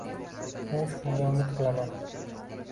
Men shunga umid qilaman.